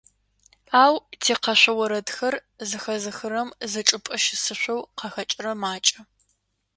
Ау тикъэшъо орэдхэр зэхэзыхыхэрэм зычӏыпӏэ щысышъоу къахэкӏырэр макӏэ.